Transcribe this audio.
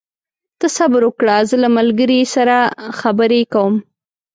ته صبر وکړه، زه له ملګري سره خبرې کوم.